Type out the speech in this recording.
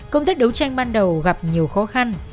công tác đấu tranh ban đầu gặp nhiều khó khăn